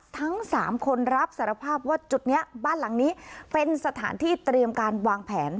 ทั้ง๓คนรับสารภาพว่าจุดนี้บ้านหลังนี้เป็นสถานที่เตรียมการวางแผน